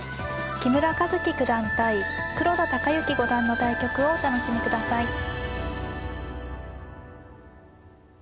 木村一基九段対黒田尭之五段の対局をお楽しみください。